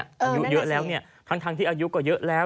อายุเยอะแล้วเนี่ยทั้งที่อายุก็เยอะแล้ว